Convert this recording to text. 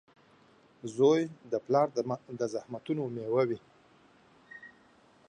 • زوی د پلار د زحمتونو مېوه وي.